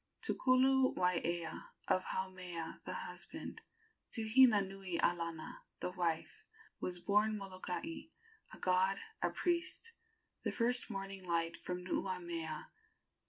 To Kuluwaiea of Haumea, the husband, To Hina nui a lana, the wife, Was born Molokai, a god, a priest, The first morning light from Nuuamea.